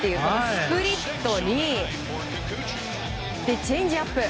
スプリットにチェンジアップ。